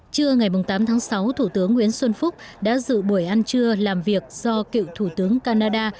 trưa ngày tám tháng sáu thủ tướng nguyễn xuân phúc đã dự buổi ăn trưa làm việc do cựu thủ tướng canada